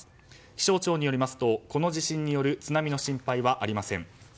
気象庁によりますとこの地震による津波の心配はありません。